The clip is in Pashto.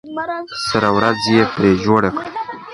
سره ورځ یې پرې جوړه کړه.